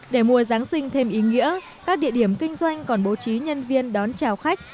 để mùa giáng sinh thêm ý nghĩa các địa điểm kinh doanh còn bố trí nhân viên đón chào khách